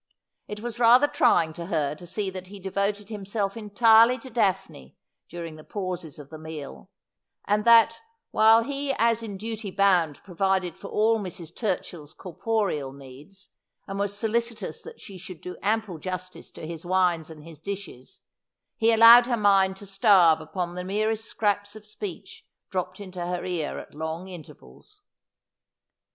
It was rather trying to her to see that he devoted him self entirely to Daphne during the pauses of the meal ; and that, while he as in duty bound provided for all Mrs. Turchill's corporeal needs, and was solicitous that she should do ample justice to his wines and his dishes, he allowed her mind to starve upon the merest scraps of speech dropped into her ear at long intervals.